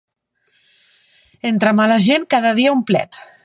Entre mala gent, cada dia un plet.